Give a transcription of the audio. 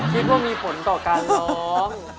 คิดว่ามีผลต่อการร้อง